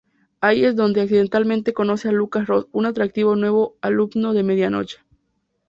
Ahí es donde, accidentalmente, conoce a Lucas Ross, un atractivo nuevo alumno de Medianoche.